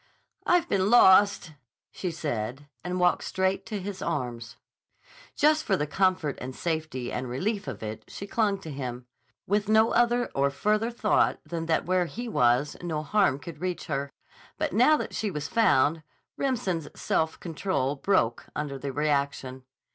"I've been lost," she said, and walked straight to his arms. Just for the comfort and safety and relief of it she clung to him, with no other or further thought than that where he was no harm could reach her. But now that she was found, Remsen's self control broke under the reaction.